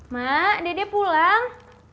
mak dede pulang